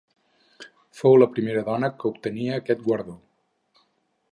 Fou la primera dona que obtenia aquest guardó.